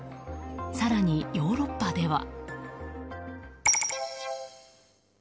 更に、ヨーロッパでは。